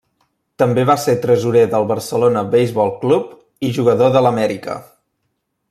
També va ser tresorer del Barcelona Base-ball Club i jugador de l'Amèrica.